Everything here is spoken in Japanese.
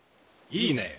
いいね！